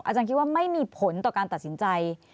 อาจารย์คิดว่าไม่มีผลต่อการตัดสินใจ